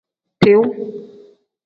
Tiu.